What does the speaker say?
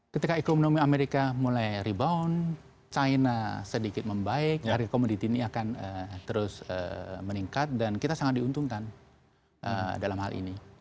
ketika ekonomi amerika mulai rebound china sedikit membaik harga komoditi ini akan terus meningkat dan kita sangat diuntungkan dalam hal ini